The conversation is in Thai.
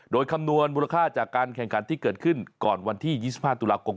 โดยคำนวณมูลค่าจากการแข่งขันที่เกิดขึ้นก่อนวันที่๒๕ตุลาคม